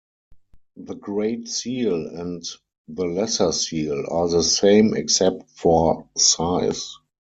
The Great Seal and the lesser seal are the same except for size.